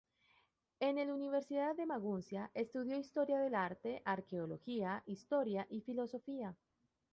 En el Universidad de Maguncia, estudió historia del arte, arqueología, historia y filosofía.